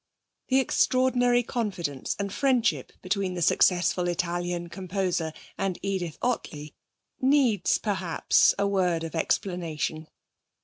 The extraordinary confidence and friendship between the successful Italian composer and Edith Ottley needs, perhaps, a word of explanation.